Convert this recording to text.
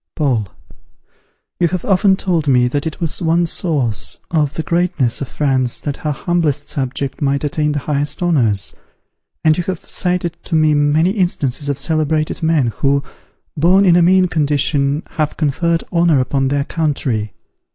Paul. You have often told me that it was one source of the greatness of France that her humblest subject might attain the highest honours; and you have cited to me many instances of celebrated men who, born in a mean condition, had conferred honour upon their country.